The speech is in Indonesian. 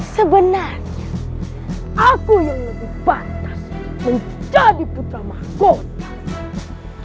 sebenarnya aku yang lebih pantas menjadi putra mahkota